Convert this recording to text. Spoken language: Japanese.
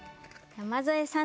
山添さん